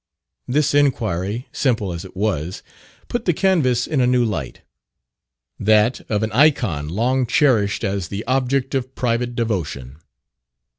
This inquiry, simple as it was, put the canvas in a new light that of an icon long cherished as the object of private devotion.